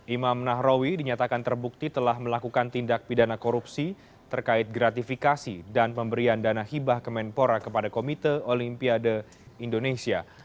imam nahrawi dinyatakan terbukti telah melakukan tindak pidana korupsi terkait gratifikasi dan pemberian dana hibah kemenpora kepada komite olimpiade indonesia